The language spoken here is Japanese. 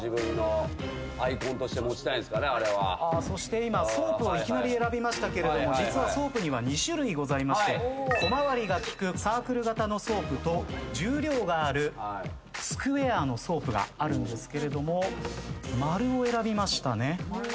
そして今ソープをいきなり選びましたけれども実はソープには２種類ございまして小回りが利くサークル型のソープと重量があるスクエアのソープがあるんですけれども丸を選びましたね。